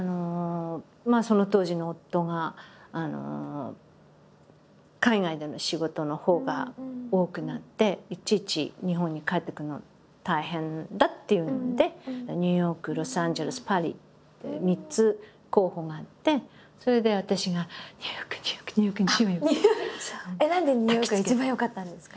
その当時の夫が海外での仕事のほうが多くなっていちいち日本に帰ってくるの大変だっていうのでニューヨークロサンゼルスパリ３つ候補があってそれで私が何でニューヨークが一番よかったんですか？